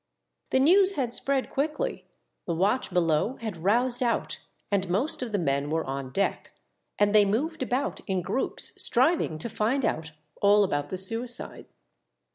The news had spread quickly ; the watch below had roused out and most of the men were on deck, and they moved about in groups striving to find out all about the suicide.